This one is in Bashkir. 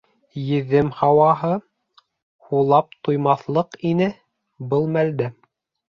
Еҙем һауаһы һулап туймаҫлыҡ ине был мәлдә...